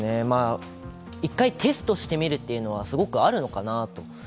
１回、テストしてみるというのはあるのかなと。